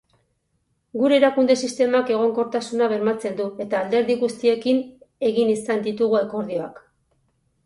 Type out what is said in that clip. Gure erakunde-sistemak egonkortasuna bermatzen du, eta alderdi guztiekin egin izan ditugu akordioak.